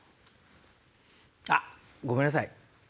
あっごめんなさい